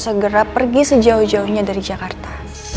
segera pergi sejauh jauhnya dari jakarta